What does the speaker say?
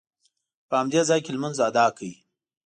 په همدې ځاې کې لمونځ ادا کړ.